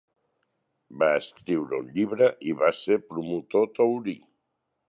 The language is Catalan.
Va escriure un llibre i va ser promotor taurí.